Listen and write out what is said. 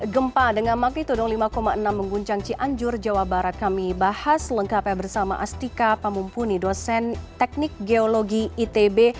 gempa dengan magnitudo lima enam mengguncang cianjur jawa barat kami bahas lengkapnya bersama astika pamumpuni dosen teknik geologi itb